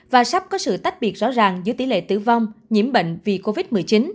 và sắp có sự tách biệt rõ ràng giữa tỷ lệ tử vong nhiễm bệnh vì covid một mươi chín